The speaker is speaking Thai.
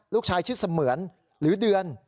ลูกชายชื่อเสมือนหรือเดือน